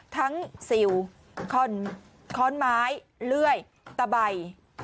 ทั้งสิวค้อนไม้เลื่อยตะใบ